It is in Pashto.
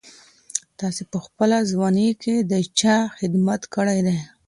تاسي په خپله ځواني کي د چا خدمت کړی دی؟